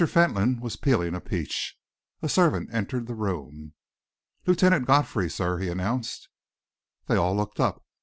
Fentolin was peeling a peach. A servant entered the room. "Lieutenant Godfrey, sir," he announced. They all looked up.